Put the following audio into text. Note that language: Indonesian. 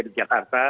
dia di jakarta